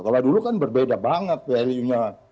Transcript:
kalau dulu kan berbeda banget value nya